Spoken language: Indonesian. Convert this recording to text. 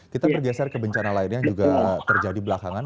kita bergeser ke bencana lainnya yang juga terjadi belakangan